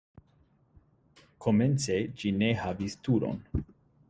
Komence ĝi ne havis turon.